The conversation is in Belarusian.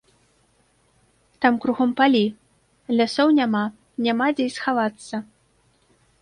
Там кругом палі, лясоў няма, няма дзе і схавацца.